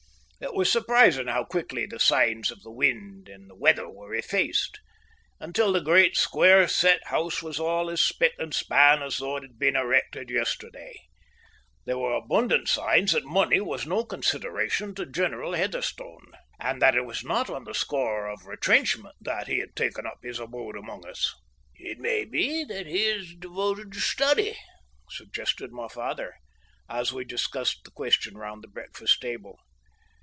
It was surprising how quickly the signs of the wind and weather were effaced, until the great, square set house was all as spick and span as though it had been erected yesterday. There were abundant signs that money was no consideration to General Heatherstone, and that it was not on the score of retrenchment that he had taken up his abode among us. "It may be that he is devoted to study," suggested my father, as we discussed the question round the breakfast table.